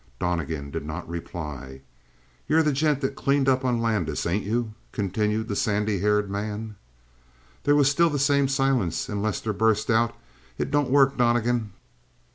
Donnegan did not reply. "You're the gent that cleaned up on Landis, ain't you?" continued the sandy haired man. There was still the same silence, and Lester burst out: "It don't work, Donnegan.